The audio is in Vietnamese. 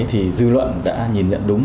thì dư luận đã nhìn nhận đúng